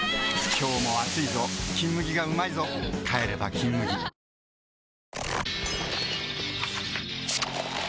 今日も暑いぞ「金麦」がうまいぞ帰れば「金麦」ＣｏｍｅＯｎ！